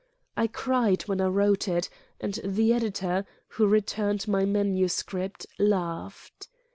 I cried when I wrote it, and the editor, who returned my manuscript, laughed.